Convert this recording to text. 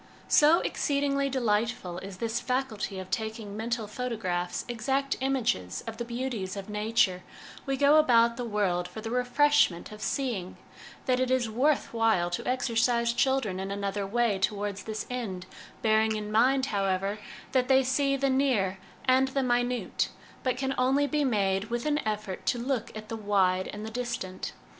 So exceedingly delightful is this faculty of taking mental photographs, exact images, of the ' beauties of Nature ' we go about the world for the refreshment of seeing, that it is worth while to exercise children in another way towards this end, bearing in mind, however, that they see the near and the minute, but can only be made with an effort to look at the wide and the distant.